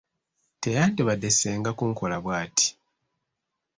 Teyandibadde ssenga kunkola bw'atti.